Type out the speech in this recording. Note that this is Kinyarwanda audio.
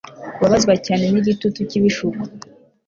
Kubabazwa cyane nigitutu cyibishuko